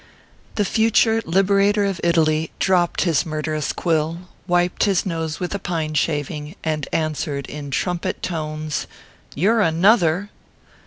The future liberator of Italy dropped his murder ous quill, wiped his nose with a pine shaving, and answered, in trumpet tones :" You re another